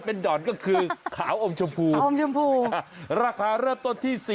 เป็นด่อนก็คือขาวอมชมพูราคาเริ่มต้นที่๔๕๐๐๐๐